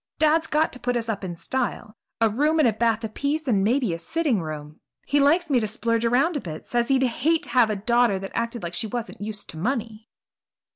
Dad's got to put us up in style a room and a bath apiece and maybe a sitting room. He likes me to splurge around a bit, says he'd hate to have a daughter that acted like she wasn't used to money."